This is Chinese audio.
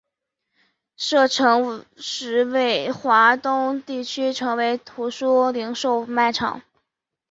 建成时为华东地区最大的图书零售卖场。